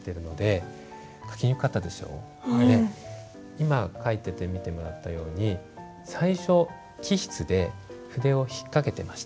今書いてて見てもらったように最初起筆で筆を引っ掛けてました。